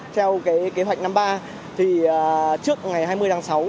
theo kế hoạch năm ba thì trước ngày hai mươi tháng sáu